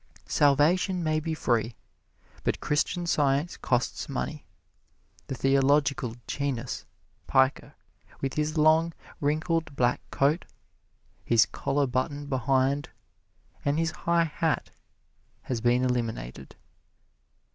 Salvation may be free, but Christian Science costs money. The theological genus piker, with his long, wrinkled, black coat, his collar buttoned behind, and his high hat, has been eliminated.